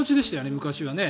昔はね。